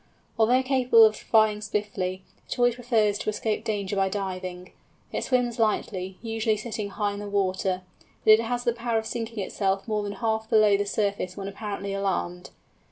Although capable of flying swiftly, it always prefers to escape danger by diving; it swims lightly, usually sitting high in the water, but it has the power of sinking itself more than half below the surface when apparently alarmed.